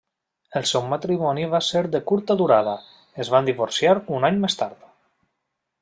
El seu matrimoni va ser de curta durada, es van divorciar un any més tard.